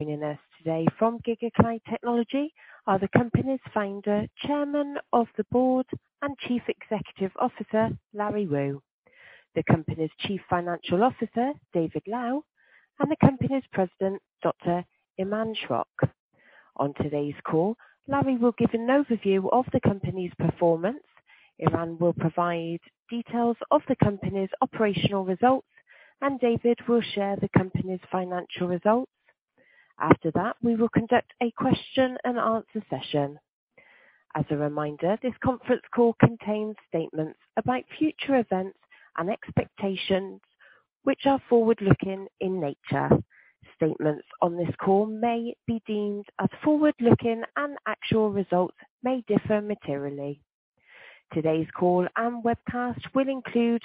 Joining us today from GigaCloud Technology are the company's Founder, Chairman of the Board, and Chief Executive Officer, Larry Wu, the company's Chief Financial Officer, David Lau, and the company's President, Dr. Iman Schrock. On today's call, Larry will give an overview of the company's performance, Iman will provide details of the company's operational results, and David will share the company's financial results. After that, we will conduct a question-and-answer session. As a reminder, this conference call contains statements about future events and expectations which are forward-looking in nature. Statements on this call may be deemed as forward-looking, and actual results may differ materially. Today's call and webcast will include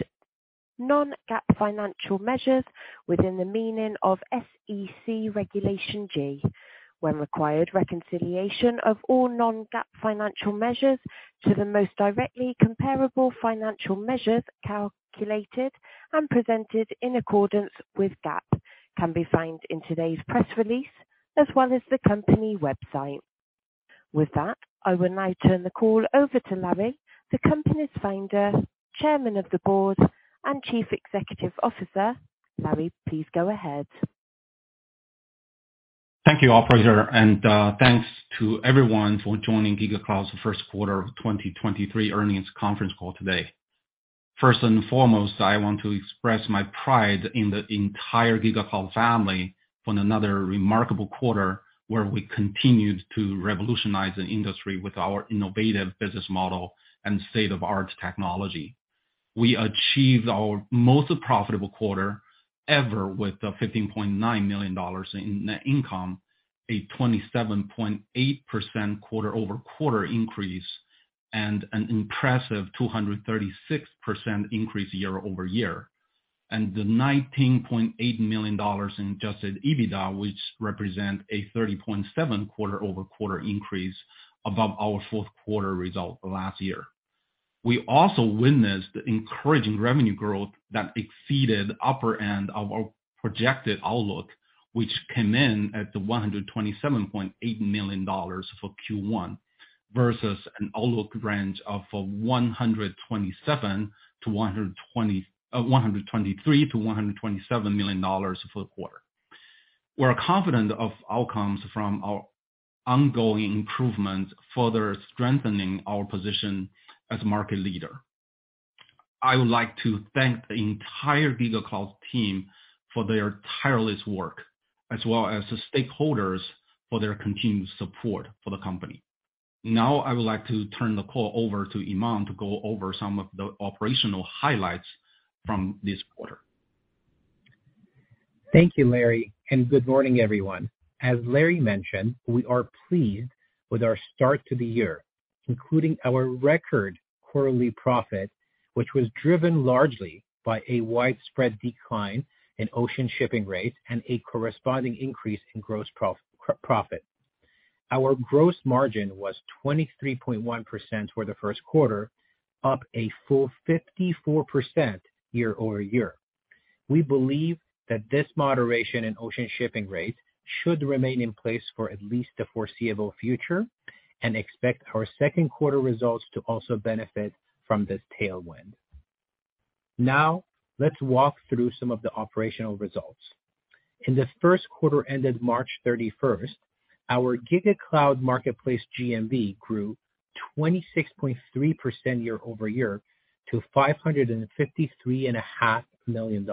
non-GAAP financial measures within the meaning of SEC Regulation G. When required, reconciliation of all non-GAAP financial measures to the most directly comparable financial measures calculated and presented in accordance with GAAP can be found in today's press release, as well as the company website. With that, I will now turn the call over to Larry, the company's Founder, Chairman of the Board, and Chief Executive Officer. Larry, please go ahead. Thank you, operator, and thanks to everyone for joining GigaCloud's First Quarter of 2023 Earnings Conference Call today. First and foremost, I want to express my pride in the entire GigaCloud family on another remarkable quarter where we continued to revolutionize the industry with our innovative business model and state-of-the-art technology. We achieved our most profitable quarter ever with the $15.9 million in net income, a 27.8% quarter-over-quarter increase, and an impressive 236% increase year-over-year. The $19.8 million in Adjusted EBITDA, which represent a 30.7% quarter-over-quarter increase above our fourth quarter result last year. We also witnessed the encouraging revenue growth that exceeded upper end of our projected outlook, which came in at $127.8 million for Q1 versus an outlook range of $123 million-$127 million for the quarter. We're confident of outcomes from our ongoing improvement, further strengthening our position as market leader. I would like to thank the entire GigaCloud team for their tireless work as well as the stakeholders for their continued support for the company. I would like to turn the call over to Iman to go over some of the operational highlights from this quarter. Thank you, Larry. Good morning, everyone. As Larry mentioned, we are pleased with our start to the year, including our record quarterly profit, which was driven largely by a widespread decline in ocean shipping rates and a corresponding increase in gross profit. Our gross margin was 23.1% for the first quarter, up a full 54% year-over-year. We believe that this moderation in ocean shipping rates should remain in place for at least the foreseeable future and expect our second quarter results to also benefit from this tailwind. Let's walk through some of the operational results. In the first quarter ended March 31st, our GigaCloud Marketplace GMV grew 26.3% year-over-year to $553.5 million.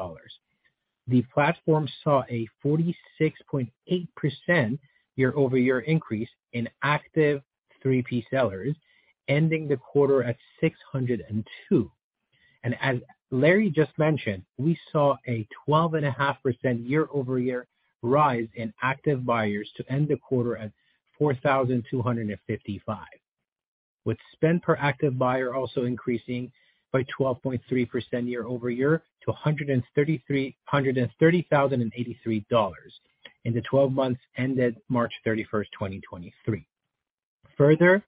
The platform saw a 46.8% year-over-year increase in active 3P sellers, ending the quarter at 602. As Larry just mentioned, we saw a 12 and a half% year-over-year rise in active buyers to end the quarter at 4,255, with spend per active buyer also increasing by 12.3% year-over-year to $130,083 in the 12 months ended March 31st, 2023. Further,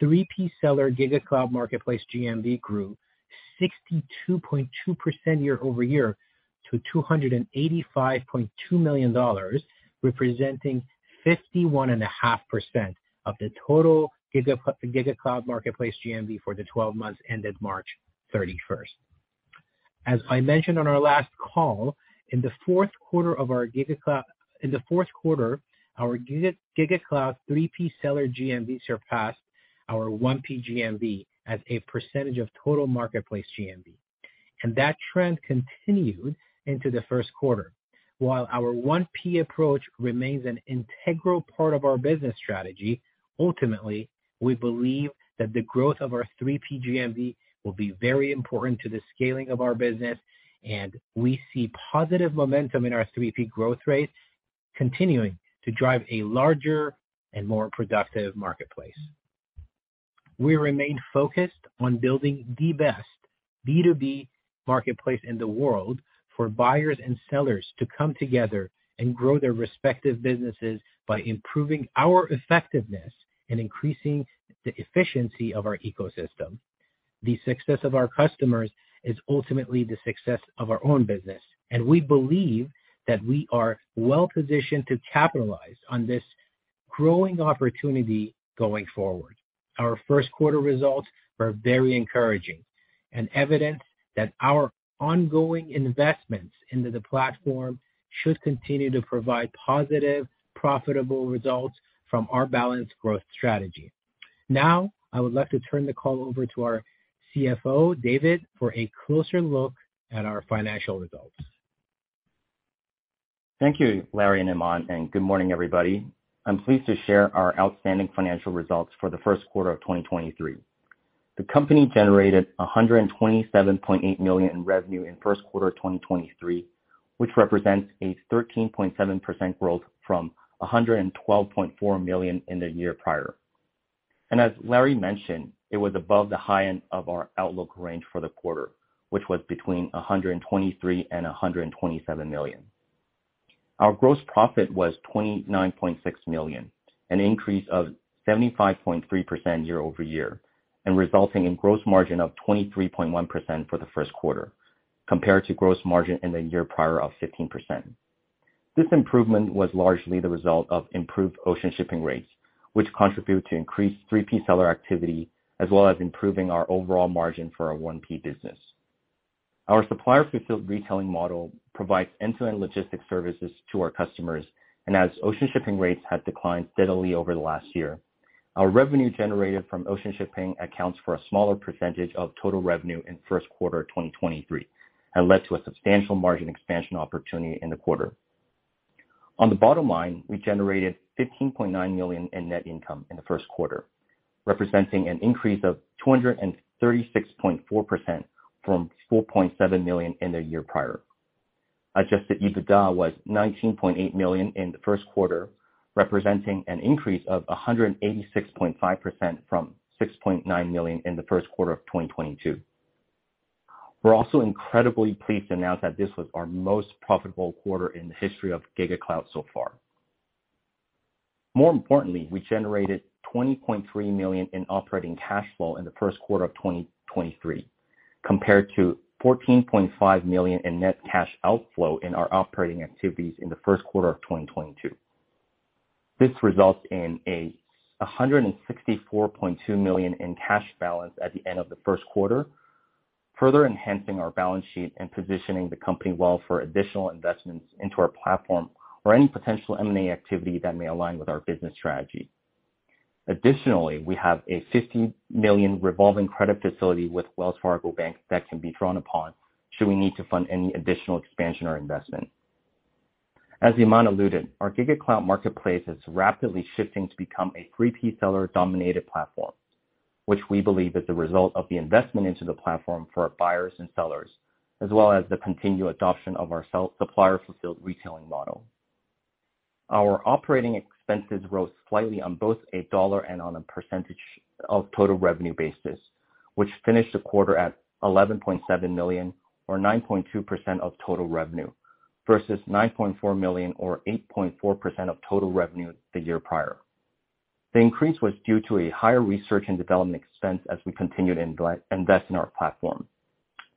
3P seller GigaCloud Marketplace GMV grew 62.2% year-over-year to $285.2 million, representing 51.5% of the total GigaCloud Marketplace GMV for the 12 months ended March 31st. As I mentioned on our last call, in the fourth quarter, our GigaCloud 3P seller GMV surpassed our 1P GMV as a percentage of total marketplace GMV, that trend continued into the first quarter. While our one-piece approach remains an integral part of our business strategy, ultimately, we believe that the growth of our three-piece GMV will be very important to the scaling of our business. We see positive momentum in our three-piece growth rate continuing to drive a larger and more productive marketplace. We remain focused on building the best B2B marketplace in the world for buyers and sellers to come together and grow their respective businesses by improving our effectiveness and increasing the efficiency of our ecosystem. The success of our customers is ultimately the success of our own business. We believe that we are well-positioned to capitalize on this growing opportunity going forward. Our first quarter results are very encouraging and evidence that our ongoing investments into the platform should continue to provide positive, profitable results from our balanced growth strategy. I would like to turn the call over to our CFO, David, for a closer look at our financial results. Thank you, Larry and Iman. Good morning, everybody. I'm pleased to share our outstanding financial results for the first quarter of 2023. The company generated $127.8 million in revenue in first quarter of 2023, which represents a 13.7% growth from $112.4 million in the year prior. As Larry mentioned, it was above the high end of our outlook range for the quarter, which was between $123 million and $127 million. Our gross profit was $29.6 million, an increase of 75.3% year-over-year, and resulting in gross margin of 23.1% for the first quarter compared to gross margin in the year prior of 15%. This improvement was largely the result of improved ocean shipping rates, which contribute to increased 3P seller activity as well as improving our overall margin for our 1P business. Our Supplier Fulfilled Retailing model provides end-to-end logistics services to our customers. As ocean shipping rates have declined steadily over the last year, our revenue generated from ocean shipping accounts for a smaller % of total revenue in first quarter of 2023, and led to a substantial margin expansion opportunity in the quarter. On the bottom line, we generated $15.9 million in net income in the first quarter, representing an increase of 236.4% from $4.7 million in the year prior. Adjusted EBITDA was $19.8 million in the first quarter, representing an increase of 186.5% from $6.9 million in the first quarter of 2022. We're also incredibly pleased to announce that this was our most profitable quarter in the history of GigaCloud so far. More importantly, we generated $20.3 million in operating cash flow in the first quarter of 2023, compared to $14.5 million in net cash outflow in our operating activities in the first quarter of 2022. This results in $164.2 million in cash balance at the end of the first quarter, further enhancing our balance sheet and positioning the company well for additional investments into our platform or any potential M&A activity that may align with our business strategy. Additionally, we have a $50 million revolving credit facility with Wells Fargo Bank that can be drawn upon should we need to fund any additional expansion or investment. As Iman alluded, our GigaCloud Marketplace is rapidly shifting to become a 3P seller dominated platform, which we believe is the result of the investment into the platform for our buyers and sellers, as well as the continued adoption of our Supplier Fulfilled Retailing model. Our operating expenses rose slightly on both a dollar and on a percentage of total revenue basis, which finished the quarter at $11.7 million or 9.2% of total revenue versus $9.4 million or 8.4% of total revenue the year prior. The increase was due to a higher research and development expense as we continued invest in our platform,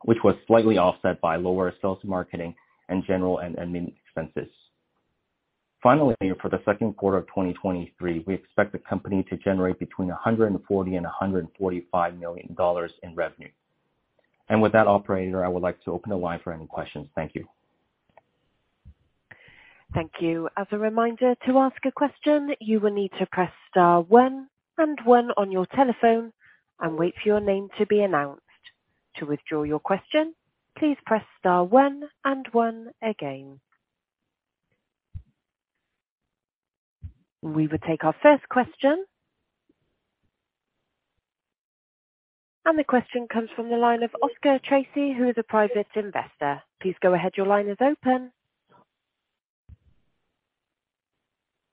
which was slightly offset by lower sales marketing and general and admin expenses. Finally, for the second quarter of 2023, we expect the company to generate between $140 million and $145 million in revenue. With that, operator, I would like to open the line for any questions. Thank you. Thank you. As a reminder, to ask a question, you will need to press star one and one on your telephone and wait for your name to be announced. To withdraw your question, please press star one and one again. We will take our first question. The question comes from the line of Oscar Tracy, who is a private investor. Please go ahead. Your line is open.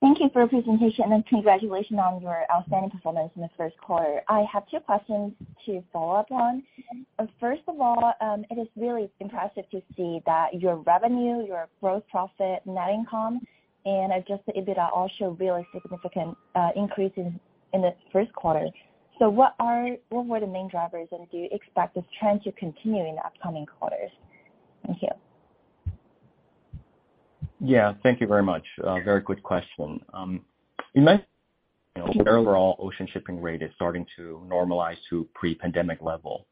Thank you for your presentation and congratulations on your outstanding performance in the first quarter. I have two questions to follow up on. First of all, it is really impressive to see that your revenue, your gross profit, net income, and Adjusted EBITDA all show really significant increase in the first quarter. What were the main drivers, and do you expect this trend to continue in the upcoming quarters? Thank you. Yeah. Thank you very much. Very good question. You know, overall ocean shipping rate is starting to normalize to pre-pandemic level.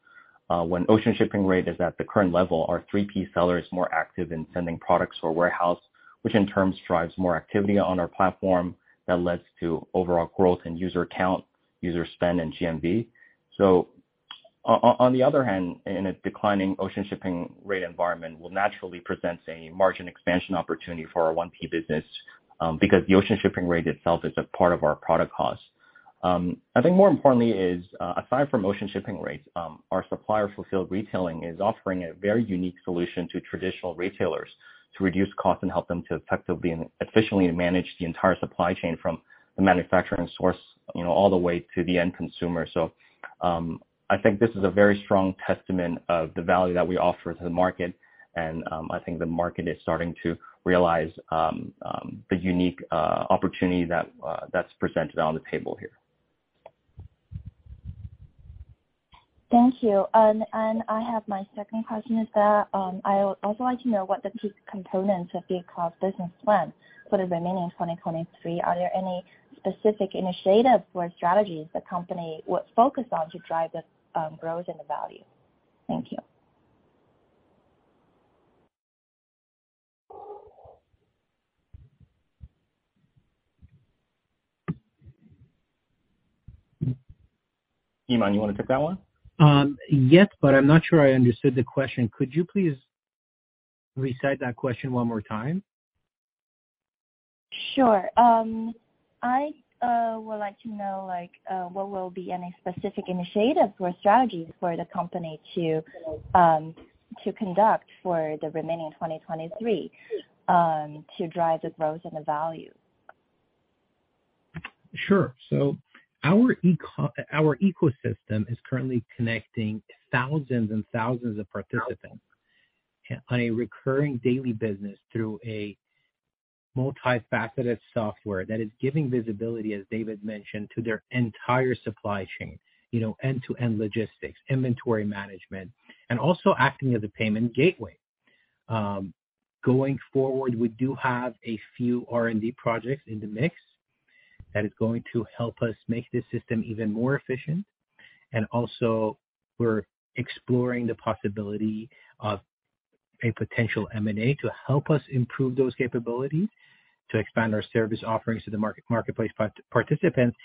When ocean shipping rate is at the current level, our 3P seller is more active in sending products to our warehouse, which in turn drives more activity on our platform that leads to overall growth in user count, user spend, and GMV. On the other hand, in a declining ocean shipping rate environment will naturally present a margin expansion opportunity for our 1P business, because the ocean shipping rate itself is a part of our product cost. I think more importantly is, aside from ocean shipping rates, our Supplier Fulfilled Retailing is offering a very unique solution to traditional retailers to reduce costs and help them to effectively and efficiently manage the entire supply chain from the manufacturing source, you know, all the way to the end consumer. I think this is a very strong testament of the value that we offer to the market, and I think the market is starting to realize the unique opportunity that's presented on the table here. Thank you. I have my second question is that, I would also like to know what the key components of the cloud business plan for the remaining 2023. Are there any specific initiatives or strategies the company would focus on to drive the growth and the value? Thank you. Iman, you wanna take that one? Yes, but I'm not sure I understood the question. Could you please recite that question one more time? Sure. I would like to know, like, what will be any specific initiatives or strategies for the company to conduct for the remaining 2023 to drive the growth and the value? Our ecosystem is currently connecting thousands and thousands of participants on a recurring daily business through a multifaceted software that is giving visibility, as David mentioned, to their entire supply chain, you know, end-to-end logistics, inventory management, and also acting as a payment gateway. Going forward, we do have a few R&D projects in the mix that is going to help us make this system even more efficient. Also we're exploring the possibility of a potential M&A to help us improve those capabilities to expand our service offerings to the marketplace participants.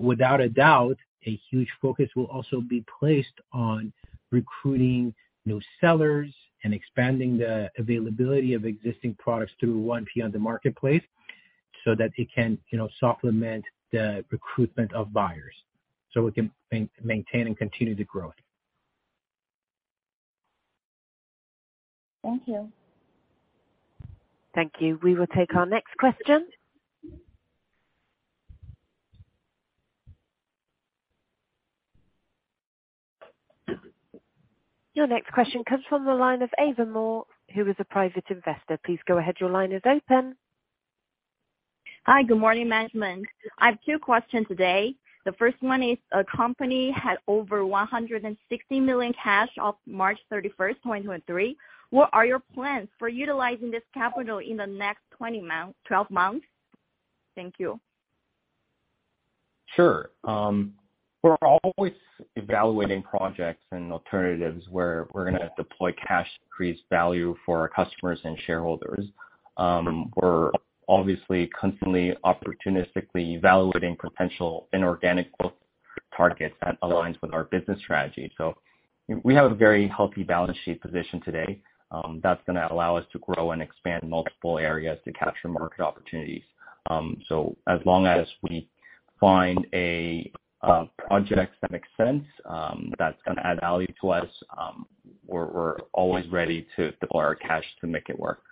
Without a doubt, a huge focus will also be placed on recruiting new sellers and expanding the availability of existing products through 1P on the marketplace so that it can, you know, supplement the recruitment of buyers, so we can maintain and continue the growth. Thank you. Thank you. We will take our next question. Your next question comes from the line of Ava Moore, who is a private investor. Please go ahead. Your line is open. Hi. Good morning, management. I have two questions today. The first one is, company had over $160 million cash of March 31st, 2023. What are your plans for utilizing this capital in the next 12 months? Thank you. Sure. We're always evaluating projects and alternatives where we're gonna deploy cash to increase value for our customers and shareholders. We're obviously constantly opportunistically evaluating potential inorganic growth targets that aligns with our business strategy. We have a very healthy balance sheet position today, that's gonna allow us to grow and expand multiple areas to capture market opportunities. As long as we find a project that makes sense, that's gonna add value to us, we're always ready to deploy our cash to make it work.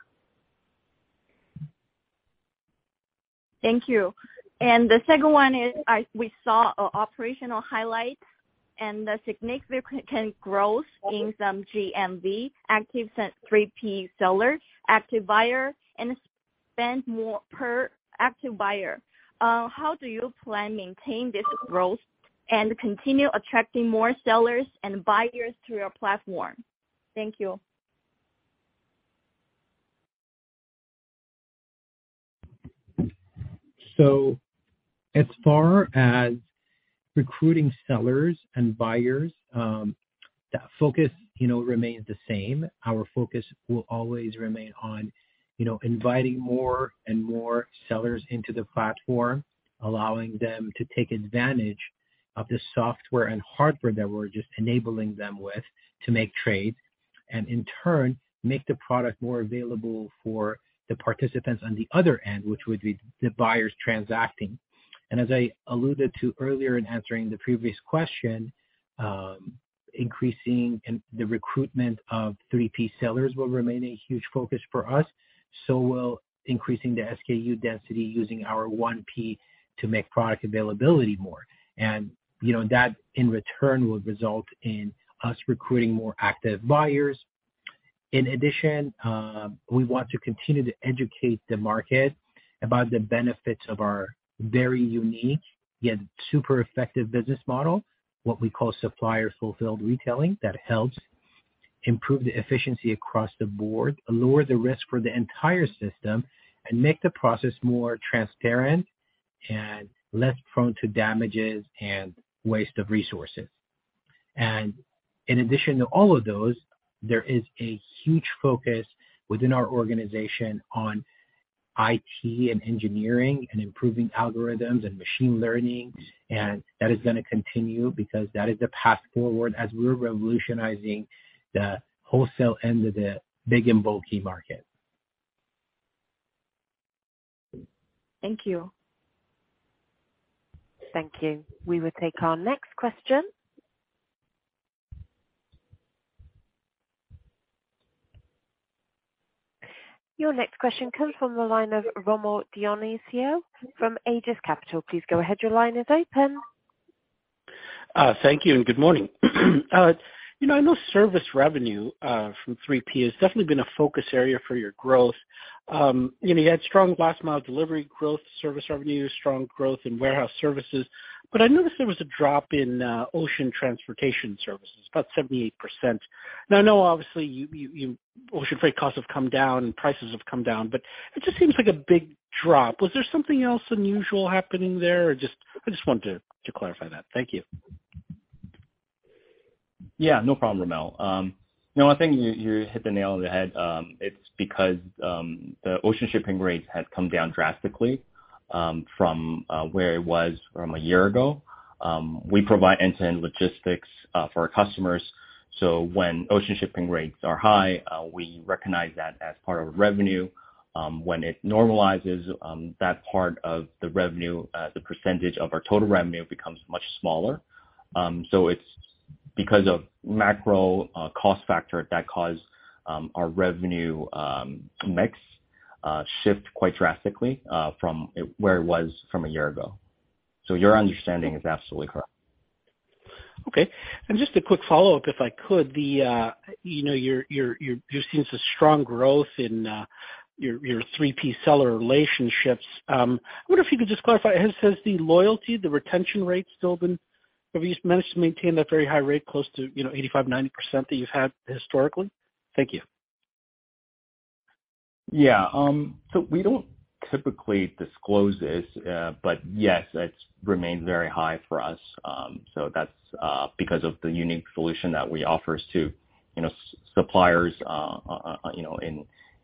Thank you. The second one is, we saw operational highlights and the significant growth in some GMV, active 3P sellers, active buyer, and spend more per active buyer. How do you plan maintain this growth and continue attracting more sellers and buyers to your platform? Thank you. As far as recruiting sellers and buyers, the focus, you know, remains the same. Our focus will always remain on, you know, inviting more and more sellers into the platform, allowing them to take advantage of the software and hardware that we're just enabling them with to make trades. In turn, make the product more available for the participants on the other end, which would be the buyers transacting. As I alluded to earlier in answering the previous question, increasing the recruitment of 3P sellers will remain a huge focus for us, so will increasing the SKU density using our 1P to make product availability more. You know, that in return will result in us recruiting more active buyers. In addition, we want to continue to educate the market about the benefits of our very unique, yet super effective business model, what we call Supplier Fulfilled Retailing, that helps improve the efficiency across the board, lower the risk for the entire system, and make the process more transparent and less prone to damages and waste of resources. In addition to all of those, there is a huge focus within our organization on IT and engineering and improving algorithms and machine learning. That is gonna continue because that is the path forward as we're revolutionizing the wholesale end of the big and bulky market. Thank you. Thank you. We will take our next question. Your next question comes from the line of Rommel Dionisio from Aegis Capital. Please go ahead. Your line is open. Thank you and good morning. You know, I know service revenue from 3P has definitely been a focus area for your growth. You know, you had strong last mile delivery growth, service revenue, strong growth in warehouse services. I noticed there was a drop in ocean transportation services, about 78%. I know obviously ocean freight costs have come down and prices have come down, but it just seems like a big drop. Was there something else unusual happening there, or just? I just wanted to clarify that. Thank you. Yeah, no problem, Rommel. No, I think you hit the nail on the head. It's because the ocean shipping rates have come down drastically from where it was from a year ago. We provide end-to-end logistics for our customers, so when ocean shipping rates are high, we recognize that as part of revenue. When it normalizes, that part of the revenue, the percentage of our total revenue becomes much smaller. It's because of macro cost factor that caused our revenue mix shift quite drastically where it was from a year ago. Your understanding is absolutely correct. Okay. Just a quick follow-up, if I could. The, you know, You've seen some strong growth in, your 3P seller relationships. I wonder if you could just clarify. Have you managed to maintain that very high rate close to, you know, 85%-90% that you've had historically? Thank you. Yeah. We don't typically disclose this, but yes, it's remained very high for us. That's because of the unique solution that we offer to, you know, suppliers, you know,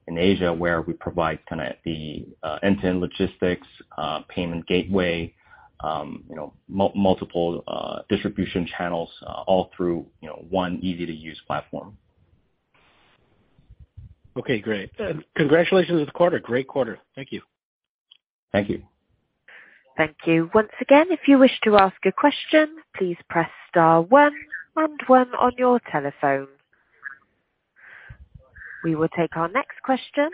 in Asia, where we provide kinda the end-to-end logistics, payment gateway, you know, multiple distribution channels, all through, you know, one easy to use platform. Okay, great. Congratulations on the quarter. Great quarter. Thank you. Thank you. Thank you. Once again, if you wish to ask a question, please press star one and one on your telephone. We will take our next question.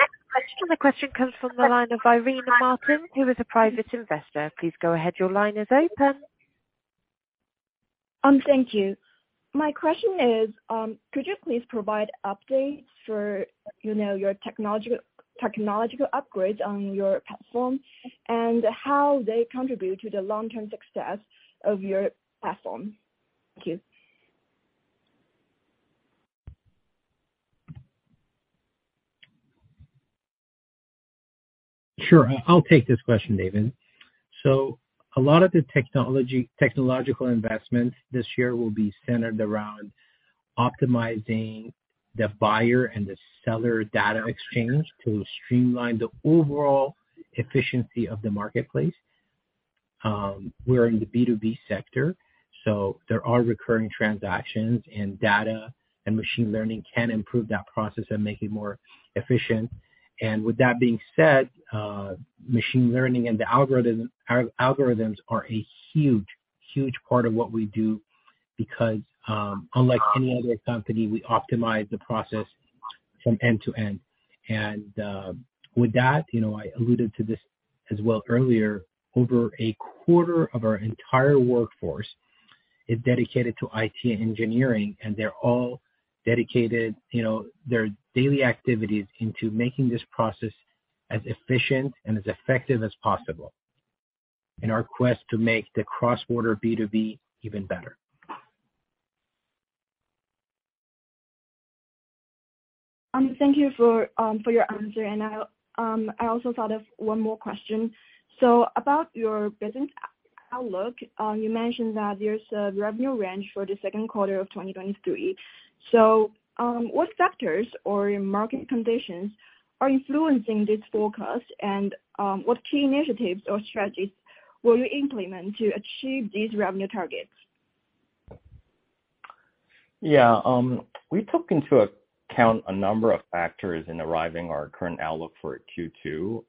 The question comes from the line of Irene Martin, who is a private investor. Please go ahead. Your line is open. Thank you. My question is, could you please provide updates for, you know, your technological upgrades on your platform and how they contribute to the long-term success of your platform? Thank you. Sure. I'll take this question, David. A lot of the technological investments this year will be centered around optimizing the buyer and the seller data exchange to streamline the overall efficiency of the marketplace. We're in the B2B sector, so there are recurring transactions, and data and machine learning can improve that process and make it more efficient. With that being said, machine learning and the algorithms are a huge part of what we do because, unlike any other company, we optimize the process from end to end. With that, you know, I alluded to this as well earlier, over a quarter of our entire workforce is dedicated to IT and engineering, and they're all dedicated, you know, their daily activities into making this process as efficient and as effective as possible in our quest to make the cross-border B2B even better. Thank you for your answer. I also thought of one more question. About your business outlook, you mentioned that there's a revenue range for the second quarter of 2023. What factors or market conditions are influencing this forecast? What key initiatives or strategies will you implement to achieve these revenue targets? Yeah. We took into account a number of factors in arriving our current outlook for Q2.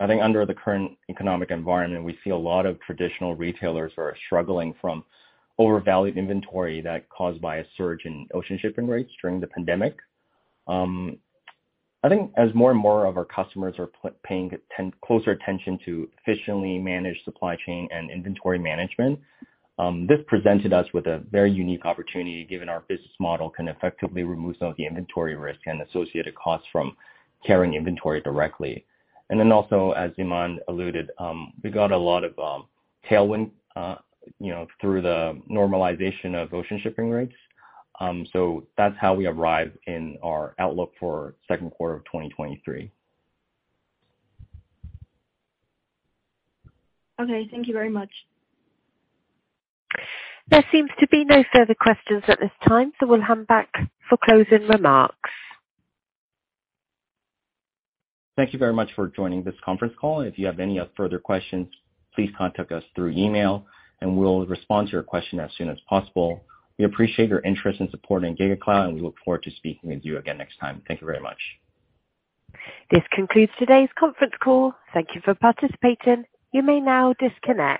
I think under the current economic environment, we see a lot of traditional retailers are struggling from overvalued inventory that caused by a surge in ocean shipping rates during the pandemic. I think as more and more of our customers are paying closer attention to efficiently manage supply chain and inventory management, this presented us with a very unique opportunity, given our business model can effectively remove some of the inventory risk and associated costs from carrying inventory directly. Also, as Iman alluded, we got a lot of tailwind, you know, through the normalization of ocean shipping rates. That's how we arrive in our outlook for second quarter of 2023. Okay. Thank you very much. There seems to be no further questions at this time, we'll hand back for closing remarks. Thank you very much for joining this conference call. If you have any further questions, please contact us through email and we'll respond to your question as soon as possible. We appreciate your interest and support in GigaCloud, and we look forward to speaking with you again next time. Thank you very much. This concludes today's conference call. Thank you for participating. You may now disconnect.